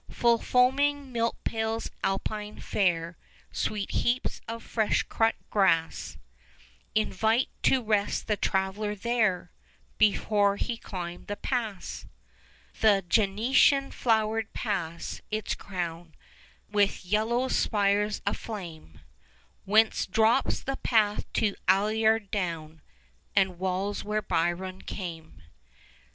Full foaming milk pails, Alpine fare, Sweet heaps of fresh cut grass, Invite to rest the traveller there Before he climb the pass 20 The gentian flowered pass, its crown With yellow spires aflame, Whence drops the path to Allière down And walls where Byron came.